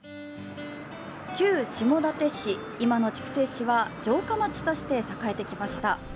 旧下館市、今の筑西市は城下町として栄えてきました。